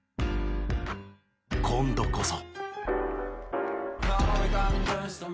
今度こそ。